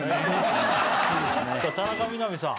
田中みな実さん。